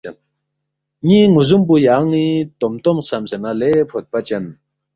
نی نوزوم پو یانی توم توم خسمسے نہ لے فودپا چن